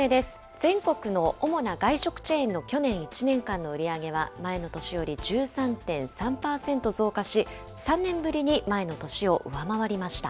全国の主な外食チェーンの去年１年間の売り上げは前の年より１３．３％増加し、３年ぶりに前の年を上回りました。